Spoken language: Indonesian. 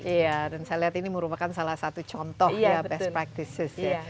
iya dan saya lihat ini merupakan salah satu contoh ya best practices ya